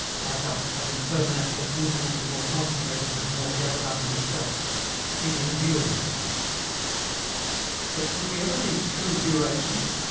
Like us, but in certain aspects infinitely more concentrated and more gathered up in itself, it endures. But do we ever think true duration?